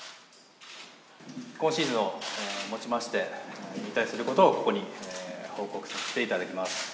今シーズンをもちまして、引退することをここに報告させていただきます。